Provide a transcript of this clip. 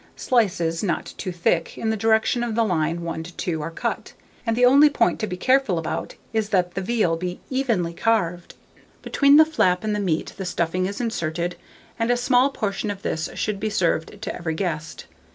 Slices, not too thick, in the direction of the line 1 to 2 are cut; and the only point to be careful about is, that the veal be evenly carved. Between the flap and the meat the stuffing is inserted, and a small portion of this should be served to every guest.